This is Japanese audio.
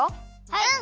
うん！